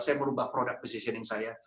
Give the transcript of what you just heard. saya merubah product positioning saya